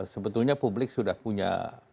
sebetulnya publik sudah punya